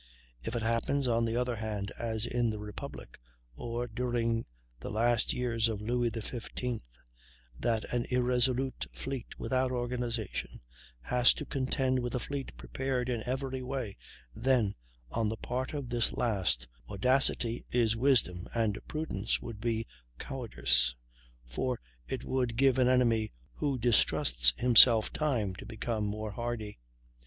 If it happens, on the other hand, as in the Republic, or during the last years of Louis XV, that an irresolute fleet, without organization, has to contend with a fleet prepared in every way, then, on the part of this last, audacity is wisdom and prudence would be cowardice, for it would give an enemy who distrusts himself time to become more hardy.